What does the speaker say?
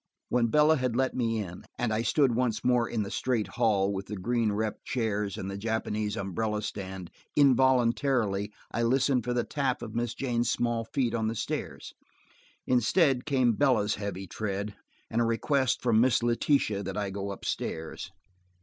When Bella had let me in, and I stood once more in the straight hall, with the green rep chairs and the Japanese umbrella stand, involuntarily I listened for the tap of Miss Jane's small feet on the stairs. Instead came Bella's heavy tread, and a request from Miss Letitia that I go up stairs.